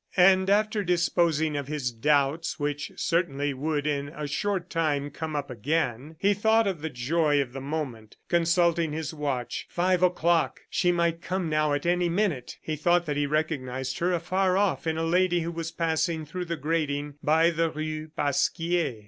... And after disposing of his doubts, which certainly would in a short time come up again, he thought of the joy of the moment, consulting his watch. Five o'clock! She might come now at any minute! He thought that he recognized her afar off in a lady who was passing through the grating by the rue Pasquier.